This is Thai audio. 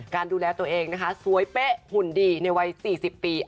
ดูแลตัวเองนะคะสวยเป๊ะหุ่นดีในวัย๔๐ปี